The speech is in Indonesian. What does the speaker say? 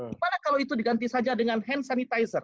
dimana kalau itu diganti saja dengan hand sanitizer